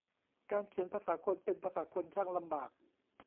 การเขียนภาษาคนเป็นภาษาคนช่างลำบาก